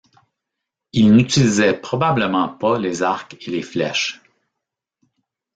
Ils n’utilisaient probablement pas les arcs et les flèches.